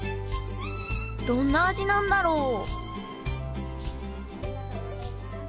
どんな味なんだろう？